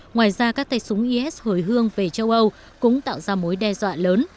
ngoài ra các tay súng is hồi hương về châu âu cũng tạo ra mối đe dọa lớn